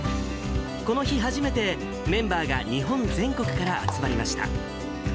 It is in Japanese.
この日初めて、メンバーが日本全国から集まりました。